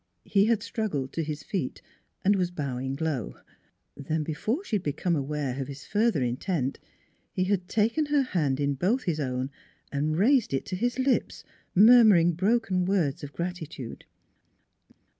He had struggled to his feet, and was bowing low. Then, before she had become aware of his further intent, he had taken her hand in both his own and raised it to his lips, murmuring broken words of gratitude.